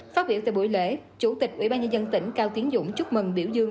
phát biểu tại buổi lễ chủ tịch ubnd tỉnh cao tiến dũng chúc mừng biểu dương